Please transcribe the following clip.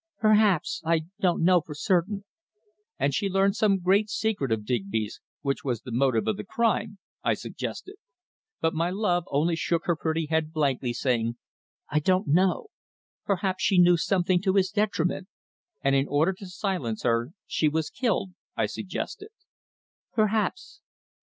"Perhaps. I don't know for certain." "And she learned some great secret of Digby's, which was the motive of the crime," I suggested. But my love only shook her pretty head blankly, saying "I don't know. Perhaps she knew something to his detriment." "And in order to silence her, she was killed," I suggested. "Perhaps."